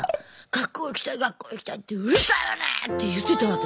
「学校行きたい学校行きたいってうるさいわね！」って言ってた私。